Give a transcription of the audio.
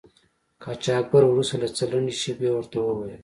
قاچاقبر وروسته له څه لنډې شیبې ورته و ویل.